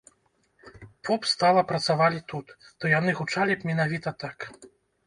Поп стала працавалі тут, то яны гучалі б менавіта так!